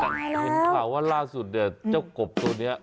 แต่เห็นข่าวว่าร่าสุดเจ้ากบตัวนี้